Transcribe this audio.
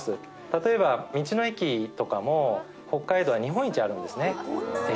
例えば、道の駅とかも、北海道は日本一あるんですね。